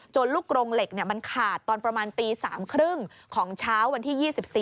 ลูกกรงเหล็กมันขาดตอนประมาณตี๓๓๐ของเช้าวันที่๒๔